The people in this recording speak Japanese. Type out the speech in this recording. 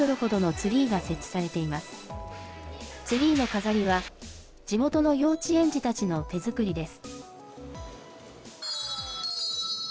ツリーの飾りは、地元の幼稚園児たちの手作りです。